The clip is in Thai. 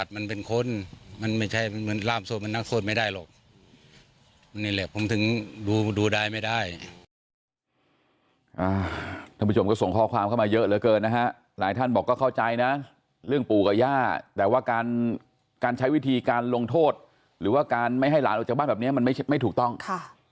ที่นี่ผมก็เลยบอกอุ๊ยแต่ตัวก็ไม่น่าทำอย่างงี้เหรอ